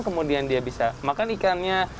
kemudian dia bisa makan ikannya